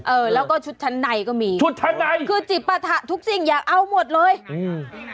เออแล้วก็ชุดชั้นในก็มีคือจิปถะทุกสิ่งอยากเอาหมดเลยชุดชั้นใน